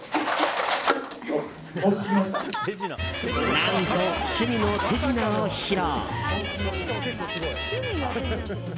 何と趣味の手品を披露。